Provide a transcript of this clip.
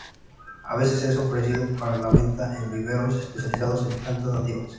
A veces es ofrecido para la venta, en viveros especializados en plantas nativas.